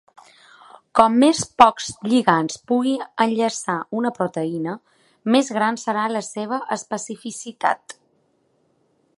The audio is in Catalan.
Com més pocs lligands pugui enllaçar una proteïna, més gran serà la seva especificitat.